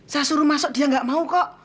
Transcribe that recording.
saya suruh masuk dia nggak mau kok